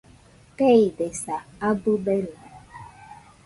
Teidesa, abɨ beno